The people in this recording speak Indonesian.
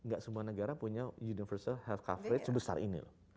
gak semua negara punya universal health coverage sebesar ini loh